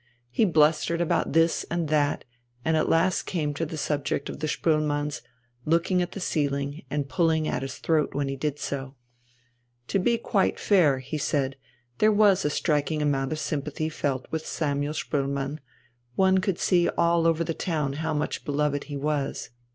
He blustered about this and that, and at last came to the subject of the Spoelmanns, looking at the ceiling and pulling at his throat when he did so. To be quite fair, he said, there was a striking amount of sympathy felt with Samuel Spoelmann, one could see all over the town how much beloved he was.